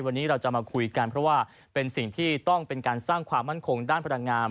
วันนี้เราจะมาคุยกันเพราะว่าเป็นสิ่งที่ต้องเป็นการสร้างความมั่นคงด้านพลังงาม